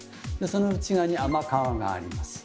その内側に甘皮があります。